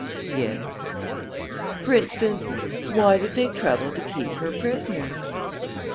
"Yes?" "For instance why did they trouble to keep her prisoner?"